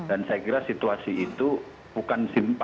dan saya kira situasi itu bukan simpatik publik yang didapatkan